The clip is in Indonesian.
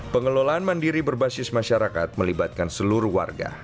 pengelolaan mandiri berbasis masyarakat melibatkan seluruh warga